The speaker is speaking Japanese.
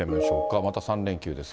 また３連休ですが。